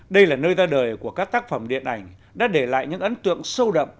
đây là nơi ra đời của các tác phẩm điện ảnh đã để lại những ấn tượng sâu đậm